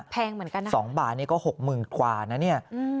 แพงเหมือนกันนะ๒บาทนี่ก็๖๐๐๐กว่านะเนี่ย